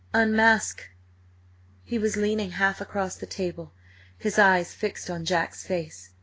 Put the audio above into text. Unmask!" He was leaning half across the table, his eyes fixed on Jack's face.